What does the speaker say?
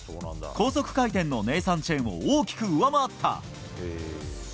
高速回転のネイサン・チェンを大きく上回った。